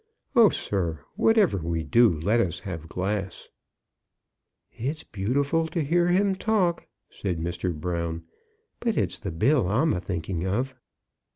Oh, sir, whatever we do, let us have glass." "It's beautiful to hear him talk," said Mr. Brown; "but it's the bill I'm a thinking of."